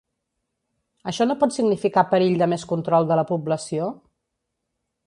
Això no pot significar perill de més control de la població?